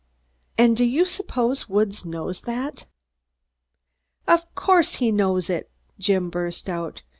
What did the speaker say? "And do you suppose Woods knows that?" "Of course he knows it!" Jim burst out.